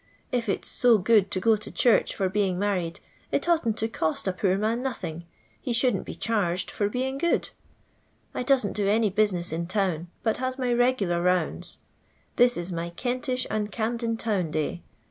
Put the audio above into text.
If it*8 fo good to go to church for being mar ried, it oughtn't to cost a poor man nothing ; ko shouldn't be charged for being good. I doom*! do any bwiness in town, but has my regular rounds. ThU is my Kentish and Camden town day.